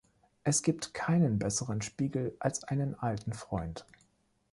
Es gibt keinen besseren Spiegel als einen alten Freund.